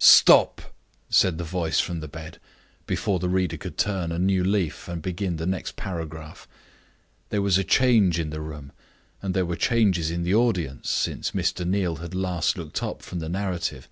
"Stop!" said the voice from the bed, before the reader could turn to a new leaf and begin the next paragraph. There was a change in the room, and there were changes in the audience, since Mr. Neal had last looked up from the narrative.